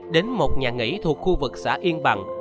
đến một nhà nghỉ thuộc khu vực xã yên bằng